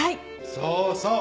そうそう！